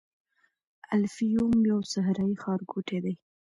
الفیوم یو صحرايي ښارګوټی دی.